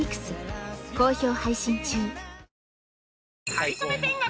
『かりそめ天国』。